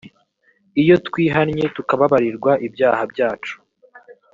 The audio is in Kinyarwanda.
iyo twihannye tukababarirwa ibyaha byacu